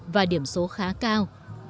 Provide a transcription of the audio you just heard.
và điểm số khá cao